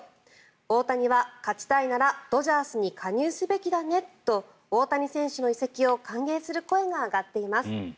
大谷は、勝ちたいならドジャースに加入すべきだねと大谷選手の移籍を歓迎する声が上がっています。